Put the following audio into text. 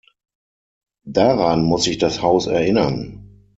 Daran muss ich das Haus erinnern.